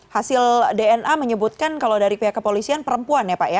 hasil dna menyebutkan kalau dari pihak kepolisian perempuan ya pak ya